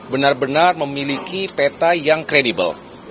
benar benar memiliki peta yang kredibel